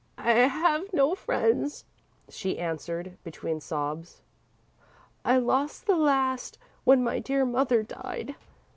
"I have no friends," she answered, between sobs. "I lost the last when my dear mother died.